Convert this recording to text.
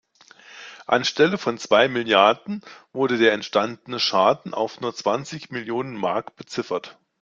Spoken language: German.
Anstelle von zwei Milliarden wurde der entstandene Schaden auf nur zwanzig Millionen Mark beziffert.